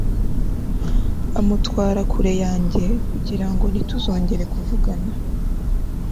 amutwara kure yanjye, kugirango ntituzongere kuvugana